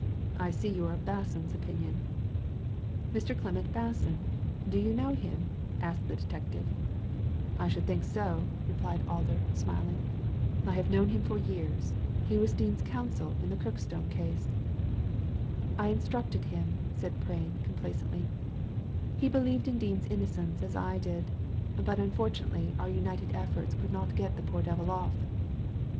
•• I see you are of Basson's opinion." "Mr. Clement Basson! Do you know him?" lucked the detectiya Digitized by Google THE DIAMOND NECKLACE 127 ^'I should think sol" replied Alder, smiling. "I have known him for years. He was Dean's counsel in the Kirkstone case." "I instructed him/' said Prain, complacently. "He believed in Dean's innocence as I did; but unfortunately our united efforts could not get the poor devil off."